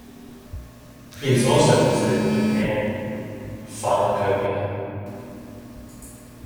It is also listed in the Japan "Pharmacopoeia".